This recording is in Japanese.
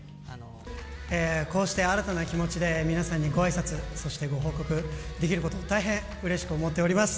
こうして新たな気持ちで皆さんにごあいさつ、そしてご報告できることを、大変うれしく思っております。